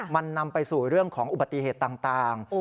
มันนำไปสู่เรื่องของอุบัติเหตุต่าง